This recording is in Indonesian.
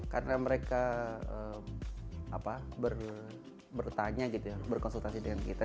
karena mereka bertanya gitu ya berkonsultasi dengan kita